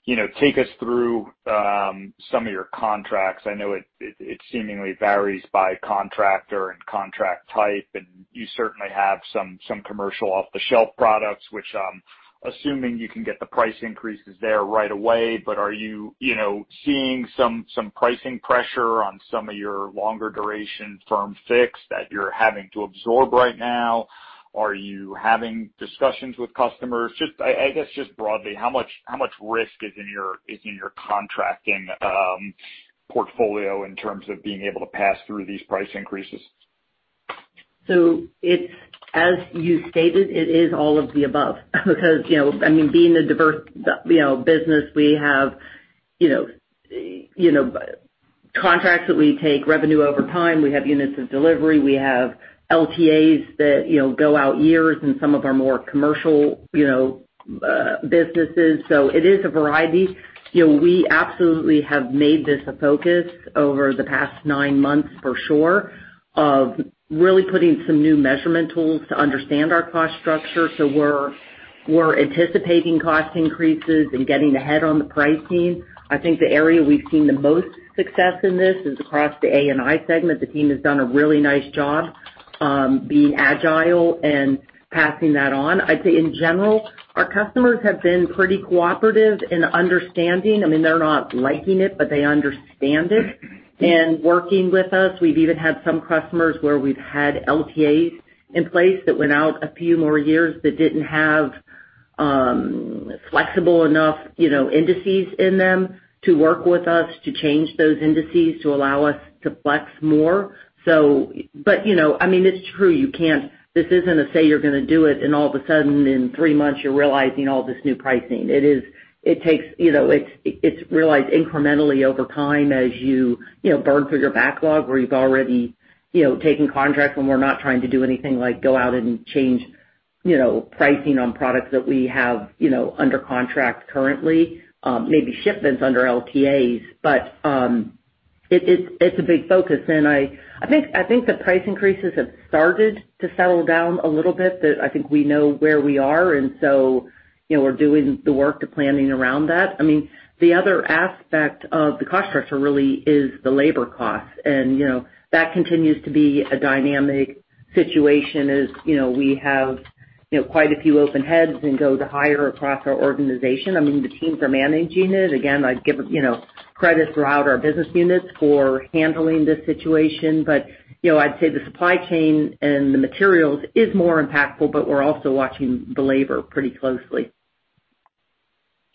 you know, take us through some of your contracts? I know it seemingly varies by contractor and contract type, and you certainly have some commercial off-the-shelf products, which I'm assuming you can get the price increases there right away. But are you know, seeing some pricing pressure on some of your longer duration firm fixed that you're having to absorb right now? Are you having discussions with customers? Just I guess just broadly, how much risk is in your contracting portfolio in terms of being able to pass through these price increases? It's, as you stated, it is all of the above. You know, I mean, being a diverse business, we have you know contracts that we take revenue over time. We have units of delivery. We have LTAs that you know go out years in some of our more commercial businesses. It is a variety. You know, we absolutely have made this a focus over the past nine months, for sure, of really putting some new measurement tools to understand our cost structure. We're anticipating cost increases and getting ahead on the pricing. I think the area we've seen the most success in this is across the A&I segment. The team has done a really nice job being agile and passing that on. I'd say in general, our customers have been pretty cooperative in understanding. I mean, they're not liking it, but they understand it and working with us. We've even had some customers where we've had LTAs in place that went out a few more years that didn't have flexible enough, you know, indices in them to work with us to change those indices to allow us to flex more. You know, I mean, it's true. This isn't a case, you're gonna do it, and all of a sudden in three months you're realizing all this new pricing. It is, it takes, you know, it's realized incrementally over time as you know, burn through your backlog where you've already you know, taken contracts and we're not trying to do anything like go out and change. You know, pricing on products that we have, you know, under contract currently, maybe shipments under LTAs. It's a big focus. I think the price increases have started to settle down a little bit, and I think we know where we are. You know, we're doing the work, the planning around that. I mean, the other aspect of the cost structure really is the labor costs. You know, that continues to be a dynamic situation as you know, we have quite a few open heads and got to hire across our organization. I mean, the teams are managing it. Again, I'd give, you know, credit throughout our business units for handling this situation. You know, I'd say the supply chain and the materials is more impactful, but we're also watching the labor pretty closely.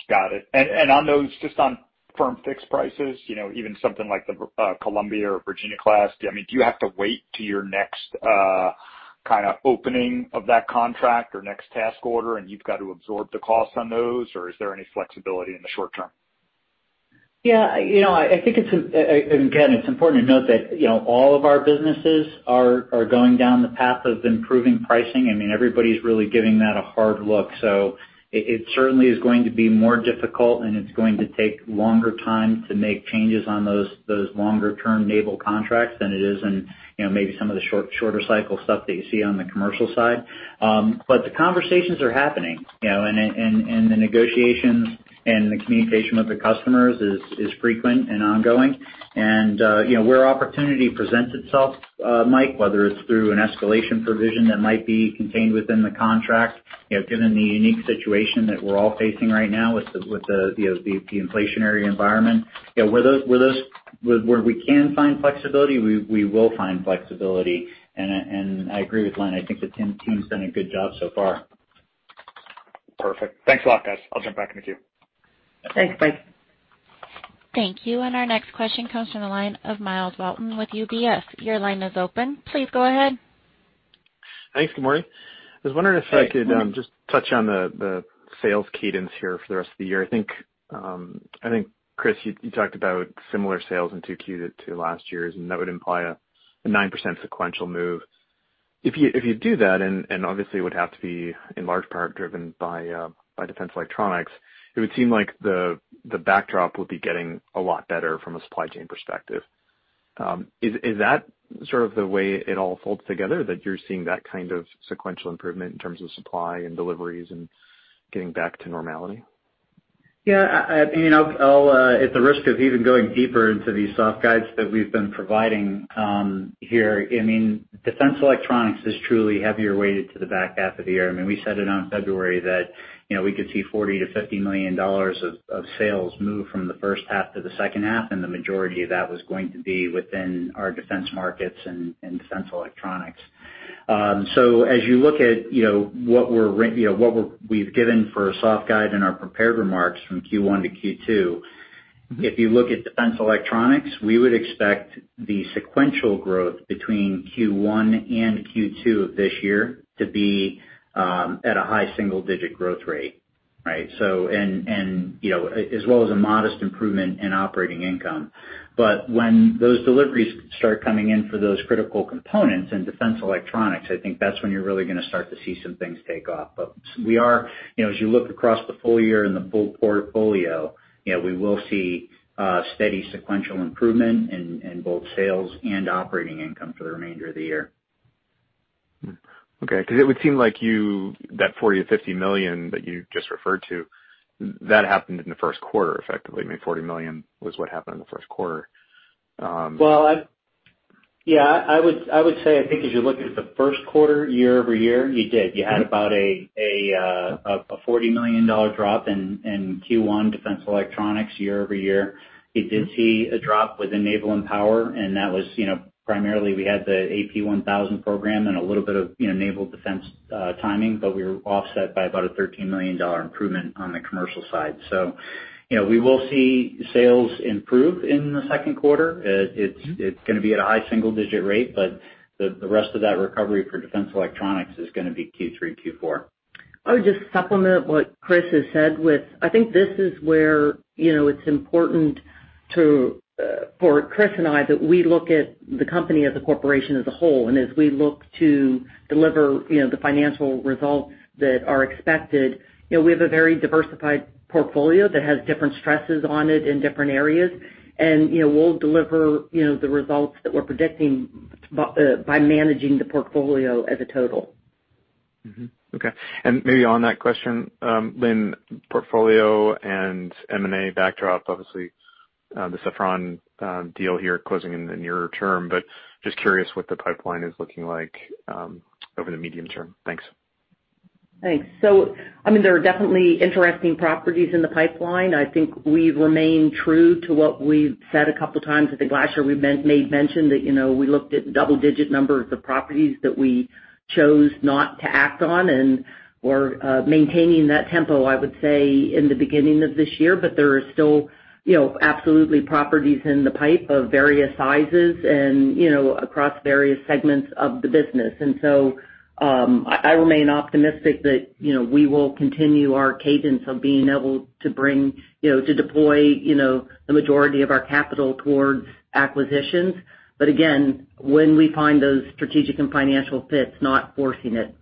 Got it. On those, just on firm fixed prices, you know, even something like the Columbia-class or Virginia-class submarine, I mean, do you have to wait till your next kinda opening of that contract or next task order, and you've got to absorb the costs on those, or is there any flexibility in the short term? Yeah. You know, I think it's, and again, it's important to note that, you know, all of our businesses are going down the path of improving pricing. I mean, everybody's really giving that a hard look. It certainly is going to be more difficult, and it's going to take longer time to make changes on those longer term naval contracts than it is in, you know, maybe some of the shorter cycle stuff that you see on the commercial side. The conversations are happening, you know, and the negotiations and the communication with the customers is frequent and ongoing. You know, where opportunity presents itself, Mike, whether it's through an escalation provision that might be contained within the contract, you know, given the unique situation that we're all facing right now with the inflationary environment. You know, where we can find flexibility, we will find flexibility. I agree with Lynn, I think the team's done a good job so far. Perfect. Thanks a lot, guys. I'll jump back in the queue. Thanks, Mike. Thank you. Our next question comes from the line of Myles Walton with UBS. Your line is open. Please go ahead. Thanks. Good morning. I was wondering if I could Hey, Myles Just touch on the sales cadence here for the rest of the year. I think, Chris, you talked about similar sales in 2Q to last year's, and that would imply a 9% sequential move. If you do that, and obviously it would have to be in large part driven by defense electronics, it would seem like the backdrop would be getting a lot better from a supply chain perspective. Is that sort of the way it all folds together, that you're seeing that kind of sequential improvement in terms of supply and deliveries and getting back to normality? Yeah. I and, you know, I'll at the risk of even going deeper into these soft guides that we've been providing here, I mean, defense electronics is truly heavily weighted to the back half of the year. I mean, we said it on February that, you know, we could see $40 million-$50 million of sales move from the first half to the second half, and the majority of that was going to be within our defense markets and defense electronics. So as you look at, you know, what we've given for a soft guide in our prepared remarks from Q1 to Q2. Mm-hmm If you look at defense electronics, we would expect the sequential growth between Q1 and Q2 of this year to be at a high single digit growth rate, right? You know, as well as a modest improvement in operating income. When those deliveries start coming in for those critical components in defense electronics, I think that's when you're really gonna start to see some things take off. We are, you know, as you look across the full year and the full portfolio, you know, we will see steady sequential improvement in both sales and operating income for the remainder of the year. Okay. 'Cause it would seem like you, that $40 million-$50 million that you just referred to, that happened in the first quarter, effectively. I mean, $40 million was what happened in the first quarter. Well, yeah, I would say, I think as you look at the first quarter year-over-year, you did. You had about a $40 million drop in Q1 Defense Electronics year-over-year. You did see a drop within Naval & Power, and that was, you know, primarily we had the AP1000 program and a little bit of, you know, naval defense timing, but we were offset by about a $13 million improvement on the commercial side. You know, we will see sales improve in the second quarter. It's Mm-hmm It's gonna be at a high single digit rate, but the rest of that recovery for defense electronics is gonna be Q3, Q4. I would just supplement what Chris has said with, I think this is where, you know, it's important to, for Chris and I, that we look at the company as a corporation as a whole. As we look to deliver, you know, the financial results that are expected, you know, we have a very diversified portfolio that has different stresses on it in different areas. We'll deliver, you know, the results that we're predicting by managing the portfolio as a total. Maybe on that question, Lynn, portfolio and M&A backdrop, obviously, the Safran deal here closing in the nearer term, but just curious what the pipeline is looking like over the medium term? Thanks. Thanks. I mean, there are definitely interesting properties in the pipeline. I think we remain true to what we've said a couple times at the last year. We made mention that, you know, we looked at double-digit numbers of properties that we chose not to act on and we're maintaining that tempo, I would say, in the beginning of this year. But there are still, you know, absolutely properties in the pipeline of various sizes and, you know, across various segments of the business. I remain optimistic that, you know, we will continue our cadence of being able to bring, you know, to deploy, you know, the majority of our capital towards acquisitions. But again, when we find those strategic and financial fits, not forcing it.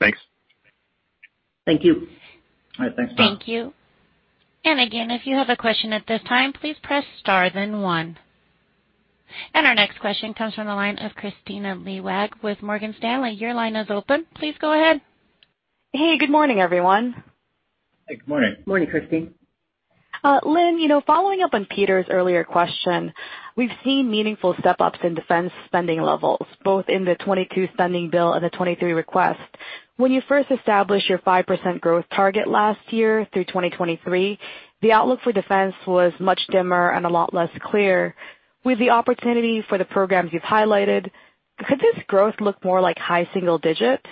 Thanks. Thank you. All right. Thanks, Tom. Thank you. Again, if you have a question at this time, please press Star then one. Our next question comes from the line of Christina Leouag with Morgan Stanley. Your line is open. Please go ahead. Hey, good morning, everyone. Hey, good morning. Morning, Christine. Lynn, you know, following up on Peter's earlier question, we've seen meaningful step-ups in defense spending levels, both in the 2022 spending bill and the 2023 request. When you first established your 5% growth target last year through 2023, the outlook for defense was much dimmer and a lot less clear. With the opportunity for the programs you've highlighted, could this growth look more like high single digits?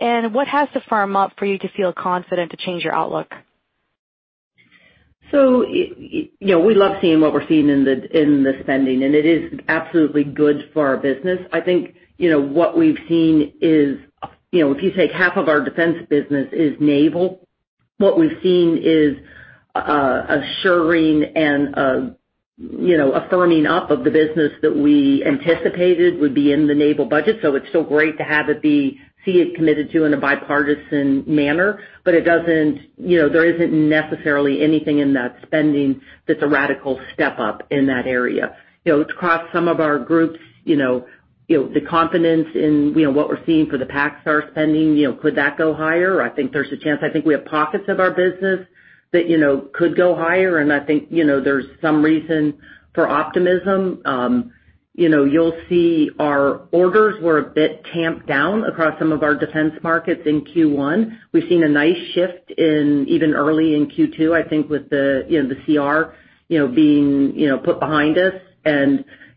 What has to firm up for you to feel confident to change your outlook? You know, we love seeing what we're seeing in the spending, and it is absolutely good for our business. I think, you know, what we've seen is, you know, if you take half of our defense business is naval. What we've seen is assuring and, you know, a firming up of the business that we anticipated would be in the naval budget. It's still great to have it see it committed to in a bipartisan manner. It doesn't, you know, there isn't necessarily anything in that spending that's a radical step up in that area. You know, across some of our groups, you know, you know, the confidence in, you know, what we're seeing for the PacStar spending, you know, could that go higher? I think there's a chance. I think we have pockets of our business that, you know, could go higher, and I think, you know, there's some reason for optimism. You know, you'll see our orders were a bit tamped down across some of our defense markets in Q1. We've seen a nice shift in even early in Q2, I think, with the, you know, the CR, you know, being, you know, put behind us.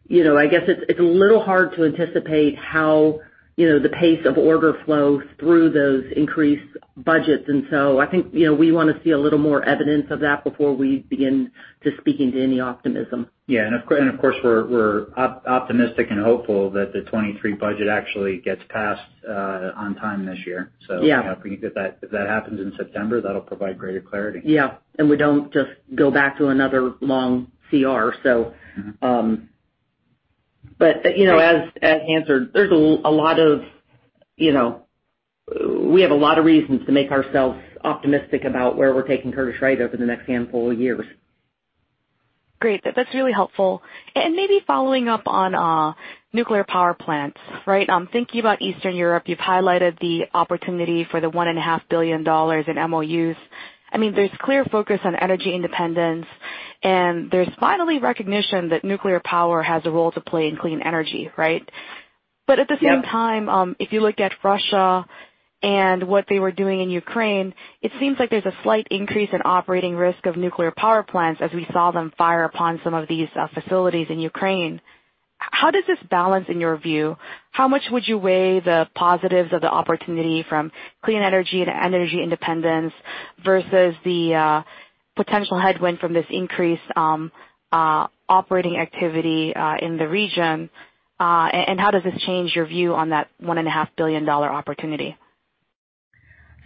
You know, I guess it's a little hard to anticipate how, you know, the pace of order flow through those increased budgets. I think, you know, we wanna see a little more evidence of that before we begin to speak into any optimism. Of course, we're optimistic and hopeful that the 2023 budget actually gets passed on time this year. Yeah. If we can get that, if that happens in September, that'll provide greater clarity. Yeah. We don't just go back to another long CR. You know, as answered, we have a lot of reasons to make ourselves optimistic about where we're taking Curtiss-Wright over the next handful of years. Great. That's really helpful. Maybe following up on nuclear power plants, right? I'm thinking about Eastern Europe. You've highlighted the opportunity for the $1.5 billion in MOUs. I mean, there's clear focus on energy independence, and there's finally recognition that nuclear power has a role to play in clean energy, right? Yeah. At the same time, if you look at Russia and what they were doing in Ukraine, it seems like there's a slight increase in operating risk of nuclear power plants as we saw them fire upon some of these facilities in Ukraine. How does this balance in your view? How much would you weigh the positives of the opportunity from clean energy to energy independence versus the potential headwind from this increased operating activity in the region? How does this change your view on that $1.5 billion opportunity?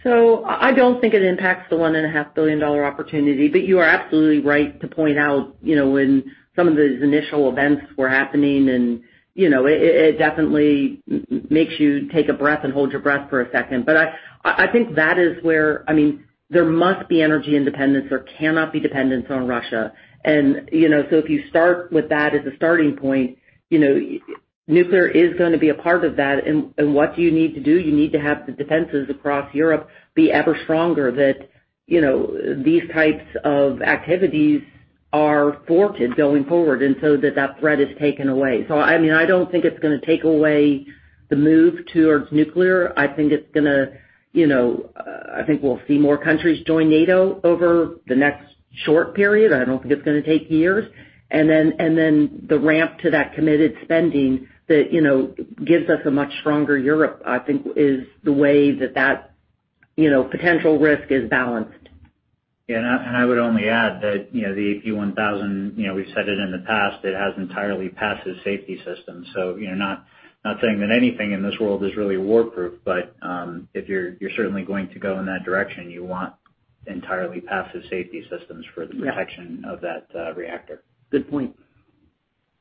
I don't think it impacts the $1.5 billion opportunity, but you are absolutely right to point out, you know, when some of these initial events were happening and, you know, it definitely makes you take a breath and hold your breath for a second. I think that is where, I mean, there must be energy independence or cannot be dependence on Russia. You know, if you start with that as a starting point, you know, nuclear is gonna be a part of that. What do you need to do? You need to have the defenses across Europe be ever stronger that, you know, these types of activities are thwarted going forward, and so that that threat is taken away. I mean, I don't think it's gonna take away the move towards nuclear. I think it's gonna, you know, I think we'll see more countries join NATO over the next short period. I don't think it's gonna take years. Then the ramp to that committed spending that, you know, gives us a much stronger Europe, I think, is the way that, you know, potential risk is balanced. I would only add that, you know, the AP1000, you know, we've said it in the past. It has entirely passive safety systems. You know, not saying that anything in this world is really war proof, but if you're certainly going to go in that direction, you want entirely passive safety systems for- Yeah. The protection of that reactor. Good point.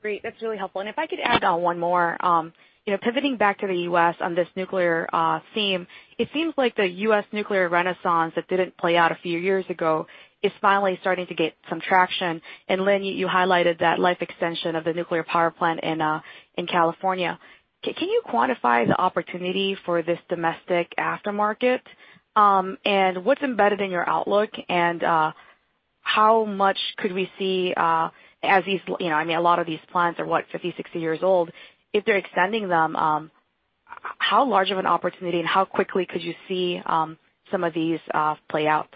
Great. That's really helpful. If I could add on one more. You know, pivoting back to the U.S. on this nuclear theme, it seems like the U.S. nuclear renaissance that didn't play out a few years ago is finally starting to get some traction. Lynn, you highlighted that life extension of the nuclear power plant in California. Can you quantify the opportunity for this domestic aftermarket? What's embedded in your outlook? How much could we see as these, you know, I mean, a lot of these plants are, what, 50, 60 years old. If they're extending them, how large of an opportunity and how quickly could you see some of these play out?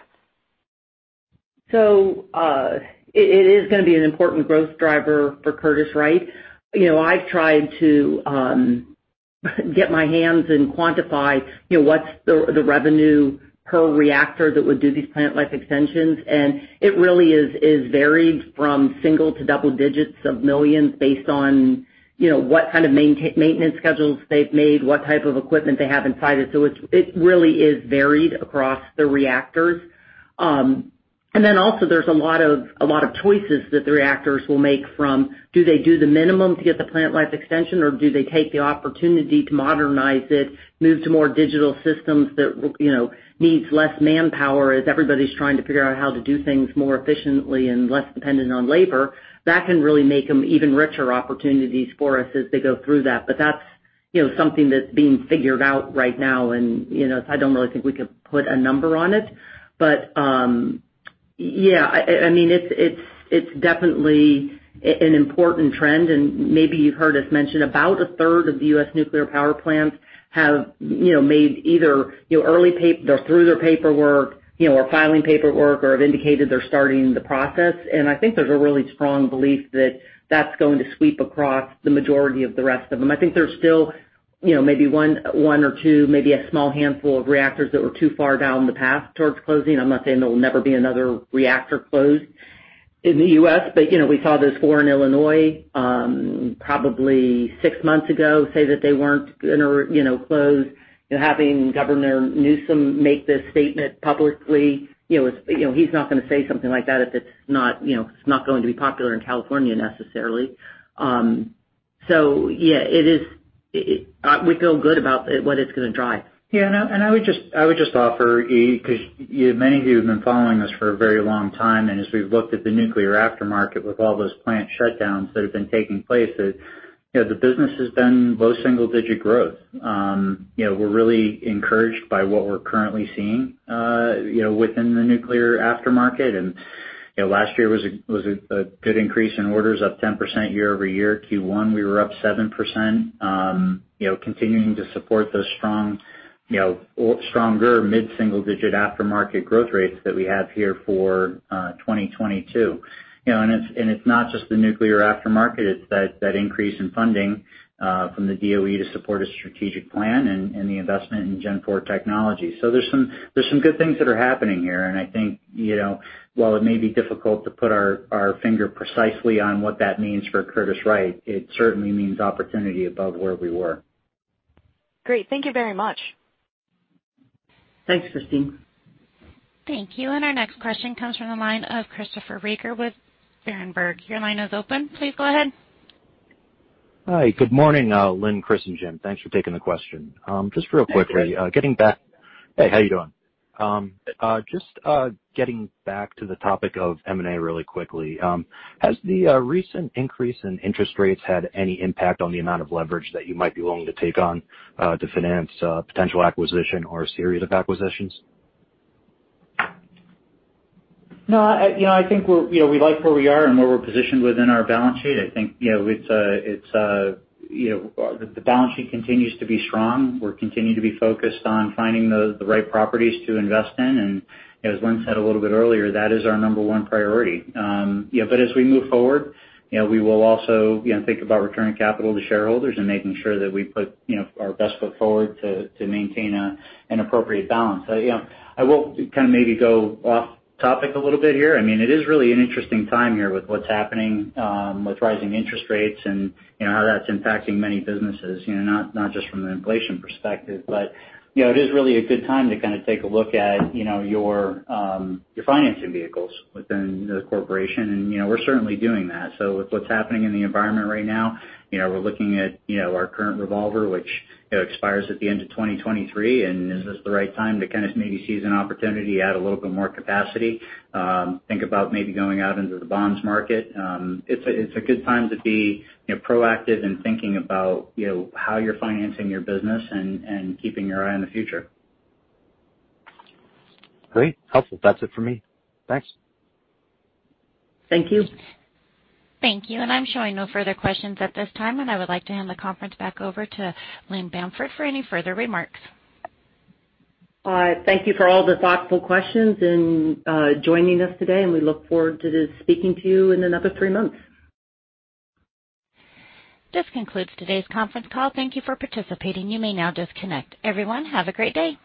It is gonna be an important growth driver for Curtiss-Wright. You know, I've tried to get my hands around and quantify, you know, what's the revenue per reactor that would do these plant life extensions. It really is varied from single- to double-digit millions based on, you know, what kind of maintenance schedules they've made, what type of equipment they have inside it. It's really varied across the reactors. Then also there's a lot of choices that the reactors will make from do they do the minimum to get the plant life extension, or do they take the opportunity to modernize it, move to more digital systems that you know, needs less manpower as everybody's trying to figure out how to do things more efficiently and less dependent on labor. That can really make them even richer opportunities for us as they go through that. That's, you know, something that's being figured out right now. You know, so I don't really think we could put a number on it. Yeah, I mean, it's definitely an important trend, and maybe you've heard us mention about a third of the U.S. nuclear power plants have, you know, made either, you know, they're through their paperwork, you know, or filing paperwork or have indicated they're starting the process. I think there's a really strong belief that that's going to sweep across the majority of the rest of them. I think there's still, you know, maybe one or two, maybe a small handful of reactors that were too far down the path towards closing. I'm not saying there will never be another reactor closed in the U.S., but, you know, we saw those four in Illinois, probably six months ago say that they weren't gonna, you know, close. You know, having Governor Newsom make this statement publicly, you know, is, you know, he's not gonna say something like that if it's not, you know, it's not going to be popular in California necessarily. Yeah, it is. We feel good about it, what it's gonna drive. Yeah. I would just offer, 'cause many of you have been following us for a very long time, as we've looked at the nuclear aftermarket with all those plant shutdowns that have been taking place, you know, the business has been low single-digit growth. You know, we're really encouraged by what we're currently seeing, you know, within the nuclear aftermarket. You know, last year was a good increase in orders, up 10% year-over-year. Q1, we were up 7%. You know, continuing to support those strong, you know, or stronger mid-single-digit aftermarket growth rates that we have here for 2022. You know, it's not just the nuclear aftermarket. It's that increase in funding from the DOE to support a strategic plan and the investment in Gen IV technology. There's some good things that are happening here. I think, you know, while it may be difficult to put our finger precisely on what that means for Curtiss-Wright, it certainly means opportunity above where we were. Great. Thank you very much. Thanks, Christine. Thank you. Our next question comes from the line of Christopher Rieker with Berenberg. Your line is open. Please go ahead. Hi. Good morning, Lynn, Chris, and Jim. Thanks for taking the question. Just real quickly. Hey, Chris. Hey, how you doing? Just getting back to the topic of M&A really quickly, has the recent increase in interest rates had any impact on the amount of leverage that you might be willing to take on to finance a potential acquisition or a series of acquisitions? No. You know, I think we're, you know, we like where we are and where we're positioned within our balance sheet. I think you know it's you know. The balance sheet continues to be strong. We're continuing to be focused on finding the right properties to invest in. As Lynn said a little bit earlier, that is our number one priority. You know, as we move forward, you know, we will also, you know, think about returning capital to shareholders and making sure that we put, you know, our best foot forward to maintain an appropriate balance. Yeah, I will kind of maybe go off topic a little bit here. I mean, it is really an interesting time here with what's happening with rising interest rates and, you know, how that's impacting many businesses, you know, not just from an inflation perspective. It is really a good time to kinda take a look at, you know, your financing vehicles within the corporation. We're certainly doing that. With what's happening in the environment right now, you know, we're looking at, you know, our current revolver, which, you know, expires at the end of 2023, and is this the right time to kind of maybe seize an opportunity, add a little bit more capacity, think about maybe going out into the bonds market. It's a good time to be, you know, proactive in thinking about, you know, how you're financing your business and keeping your eye on the future. Great. Helpful. That's it for me. Thanks. Thank you. Thank you. I'm showing no further questions at this time, and I would like to hand the conference back over to Lynn Bamford for any further remarks. Thank you for all the thoughtful questions and joining us today, and we look forward to this speaking to you in another three months. This concludes today's conference call. Thank you for participating. You may now disconnect. Everyone, have a great day.